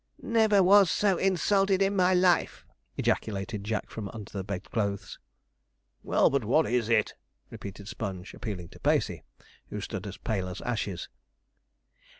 'Never was so insulted in my life!' ejaculated Jack, from under the bedclothes. 'Well but what is it?' repeated Sponge, appealing to Pacey, who stood as pale as ashes.